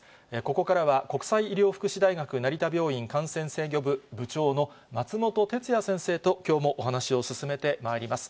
ここからは、国際医療福祉大学成田病院感染制御部部長の松本哲哉先生ときょうもお話を進めてまいります。